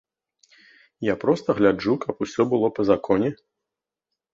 Я проста гляджу, каб усё было па законе.